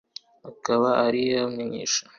bakaba ari yo bamenyesha ubukene bwabo bwose.